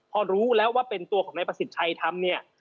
พอรู้แล้วว่าเป็นตัวของนายประสิทธิ์ชัยทำเนี่ย